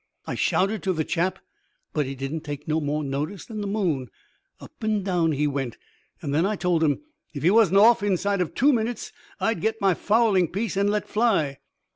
I shouted to the chap, but he didn't take no more notice than the moon. Up and down he went; and then I told him, if he wasn't off inside two minutes, I'd get my fowling piece and let fly.